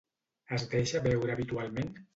Es deixa veure habitualment?